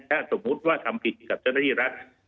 ถ้าสมมุติว่าทำผิดกับเจ้าหน้าที่รัฐ